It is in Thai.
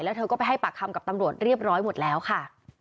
แล้วเธอก็ไปให้ปากคำกับตำรวจเรียบร้อยหมดแล้วค่ะ